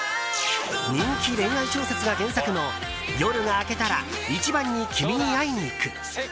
人気恋愛小説が原作の「夜が明けたら、いちばんに君に会いにいく」。